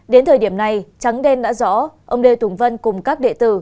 đến thời điểm này trắng đen đã rõ ông lê tùng vân cùng các đệ tử